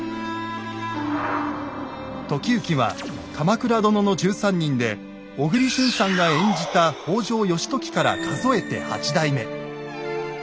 時行は「鎌倉殿の１３人」で小栗旬さんが演じた北条義時から数えて８代目。